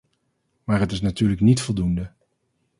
Maar het is natuurlijk niet voldoende.